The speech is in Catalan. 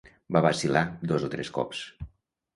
Va vacil·lar dos o tres cops